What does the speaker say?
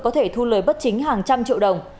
có thể thu lời bất chính hàng trăm triệu đồng